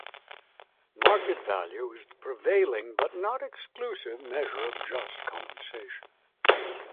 Market value is the prevailing, but not exclusive measure of Just Compensation.